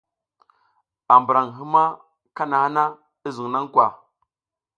A mburan hima kanaha na, i zun na kwa ?